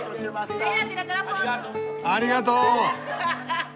ありがとう！